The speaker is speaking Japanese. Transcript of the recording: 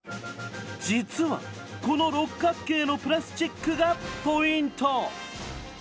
実はこの六角形のプラスチックがポイント。